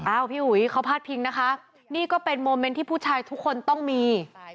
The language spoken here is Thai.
พี่อุ๋ยเขาพาดพิงนะคะนี่ก็เป็นโมเมนต์ที่ผู้ชายทุกคนต้องมี